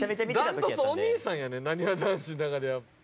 断トツお兄さんやねなにわ男子の中では。